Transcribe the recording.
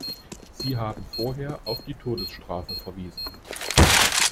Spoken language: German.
Sie haben vorher auf die Todesstrafe verwiesen.